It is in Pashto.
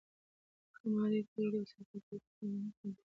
که ماري کوري د وسایلو پاکوالي ته پام ونه کړي، نتیجه به غلطه شي.